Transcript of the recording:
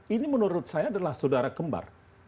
ini menurut saya adalah saudara kembar